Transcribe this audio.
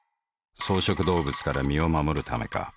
草食動物から身を護るためか。